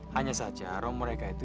hanya saja rom mereka itu